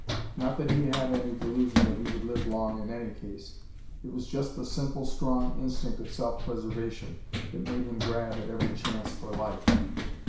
Not that he had any delusion that he would live long in any case: it was just the simple strong instinct of self preservation that made him grab at every chance for life.